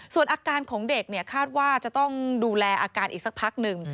ส่วนอาการของเด็กคาดว่าจะต้องดูแลอาการอีกสักพักหนึ่ง